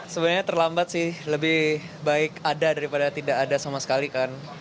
sebenarnya terlambat sih lebih baik ada daripada tidak ada sama sekali kan